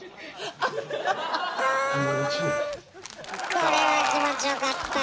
これは気持ちよかった。